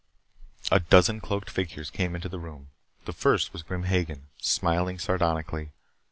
A dozen cloaked figures came into the room. The first was Grim Hagen, smiling sardonically.